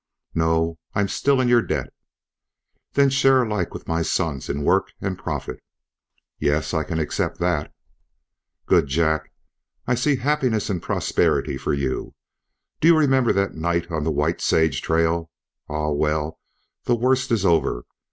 "No, I'm still in your debt." "Then share alike with my sons in work and profit?" "Yes, I can accept that." "Good! Jack, I see happiness and prosperity for you. Do you remember that night on the White Sage trail? Ah! Well, the worst is over.